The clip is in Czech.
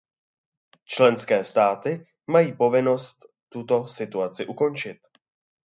Členské státy mají povinnost tuto situaci ukončit.